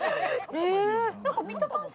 なんか見た感じ